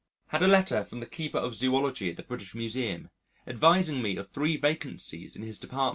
Had a letter from the Keeper of Zoology at the British Museum, advising me of three vacancies in his Dept.